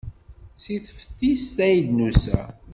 Seg teftist ay d-nusa.